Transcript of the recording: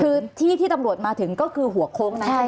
คือที่ที่ตำรวจมาถึงก็คือหัวโค้งนั้นใช่ไหม